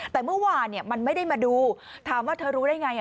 แต่เมื่อวานมันไม่ได้มาดูถามว่าเธอรู้ได้ไง